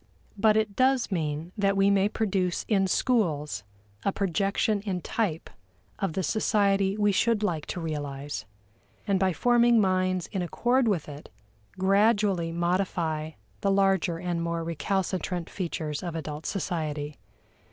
But it does mean that we may produce in schools a projection in type of the society we should like to realize, and by forming minds in accord with it gradually modify the larger and more recalcitrant features of adult society.